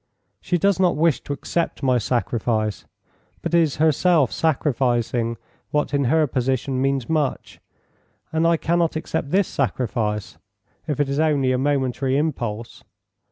"She does not wish to accept my sacrifice, but is herself sacrificing what in her position means much, and I cannot accept this sacrifice, if it is only a momentary impulse.